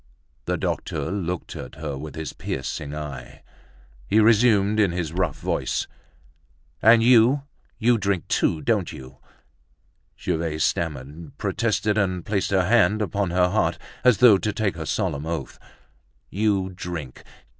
The doctor looked at her with his piercing eye. He resumed in his rough voice: "And you, you drink too, don't you?" Gervaise stammered, protested, and placed her hand upon her heart, as though to take her solemn oath. "You drink!